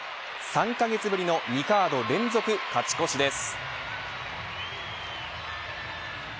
３カ月ぶりの２カード連続勝ち越しです。